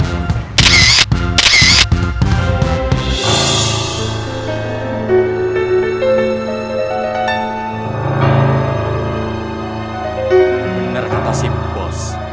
bener kata si bos